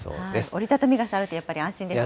折り畳み傘あるとやっぱり安心ですね。